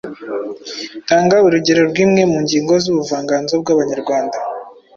Tanga urugero rw’imwe mu ngingo z’ubuvanganzo bw’Abanyarwanda